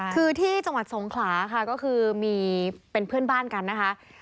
คือที่จังหวัดสงขลาค่ะก็คือมีเป็นเพื่อนบ้านกันนะคะ